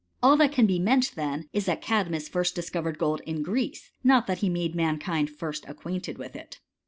All that can be meant, then, is, that CdL^ ' mus first discovered gold in Greece ; not that he mad^ mankind first acquainted with it.